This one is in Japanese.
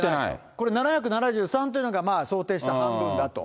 これ、７７３というのが想定した半分だと。